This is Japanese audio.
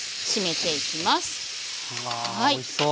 うわおいしそう。